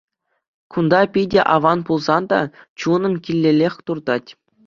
Кунта питӗ аван пулсан та, чунӑм килеллех туртать.